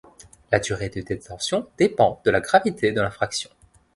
La durée de détention dépend de la gravité de l'infraction.